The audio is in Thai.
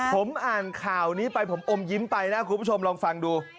ผมอ่านข่าวนี้ไปผมอมยิ้มไปนะคุณผู้ชมลองฟังดู